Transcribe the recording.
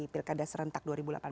pilkada serentak dua ribu delapan belas